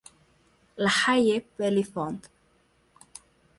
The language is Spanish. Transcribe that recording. La Haye-Bellefond